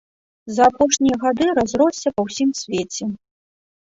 За апошнія гады разросся па ўсім свеце.